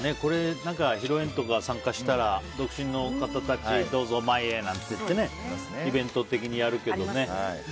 披露宴とか参加したら独身の方たちどうぞ前へ、なんていってイベント的にやるけどね。